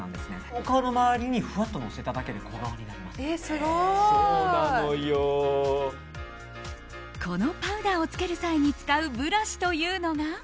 お顔の周りにふわっとのせただけでこのパウダーをつける際に使うブラシというのが。